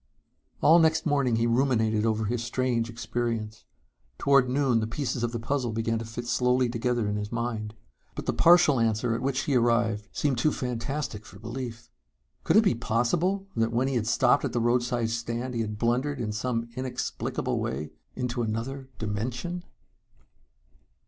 All next morning he ruminated over his strange experience. Toward noon the pieces of the puzzle began to fit slowly together in his mind. But the partial answer at which he arrived seemed too fantastic for belief. Could it be possible that when he had stopped at the roadside stand he had blundered, in some inexplicable way, into another dimension?